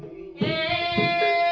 bahasa yang terbaik adalah